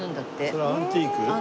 それはアンティーク？